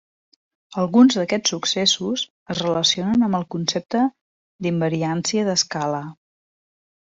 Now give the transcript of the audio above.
Alguns d'aquests successos es relacionen amb el concepte d'invariància d'escala.